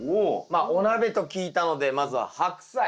まあお鍋と聞いたのでまずはハクサイ。